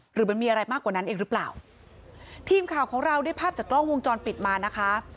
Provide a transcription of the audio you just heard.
หรือมันมีอะไรมากกว่านั้นเองหรือเปล่าทีมข่าวของเราได้ภาพจากกล้องวงจรปิดมานะคะ